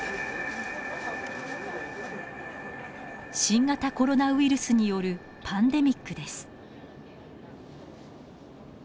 新型コロナウイルスによるパンデミックです。